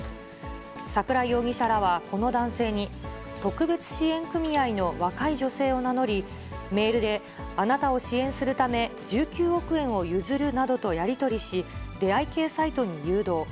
桜井容疑者らはこの男性に、特別支援組合の若い女性を名乗り、メールで、あなたを支援するため１９億円を譲るなどとやり取りし、出会い系サイトに誘導。